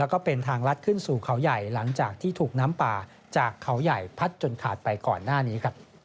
แล้วก็เป็นทางลัดขึ้นสู่เขาใหญ่หลังจากที่ถูกน้ำป่าจากเขาใหญ่พัดจนขาดไปก่อนหน้านี้